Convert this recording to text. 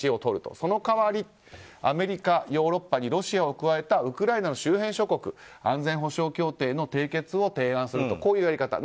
その代わり、アメリカヨーロッパにロシアを加えたウクライナの周辺諸国安全保障協定の締結を提案するとこういうやり方。